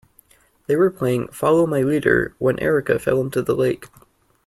They were playing follow my leader when Erica fell into the lake.